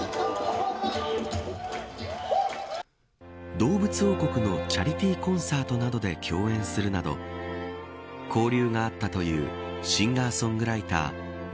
動物王国のチャリティーコンサートなどで共演するなど交流があったというシンガーソングライター南